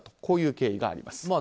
こういう経緯があります。